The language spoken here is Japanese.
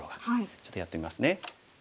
ちょっとやってみますね。